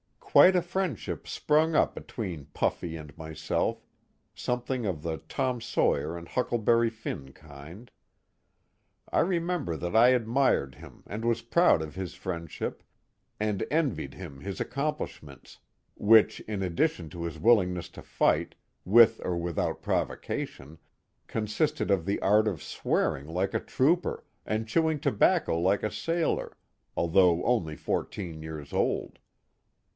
Quite a friendship sprung up between Puffy " and myself, something of the Tom Sawyer and Huckleberry Finn kind. I remember that I admired him and was proud of his friendship, and envied him his accomplish ments, which, in addition to his willingness to fight, with or without provocation, consisted of the art of swearing like a trooper, and chewing tobacco like a sailor, although only fourteen years old.